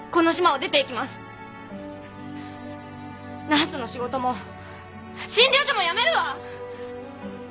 ナースの仕事も診療所も辞めるわ！